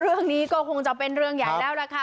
เรื่องนี้ก็คงจะเป็นเรื่องใหญ่แล้วล่ะค่ะ